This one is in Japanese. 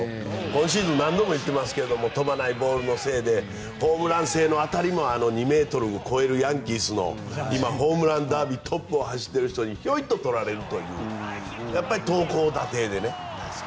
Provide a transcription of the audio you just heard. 今シーズン何度も言ってますけど飛ばないボールのせいでホームラン性の当たりも２ｍを超えるヤンキースの今、ホームランダービートップを走っている人にヒョイッととられるという。